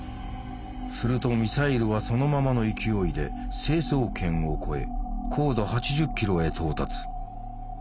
するとミサイルはそのままの勢いで成層圏を越え高度８０ｋｍへ到達。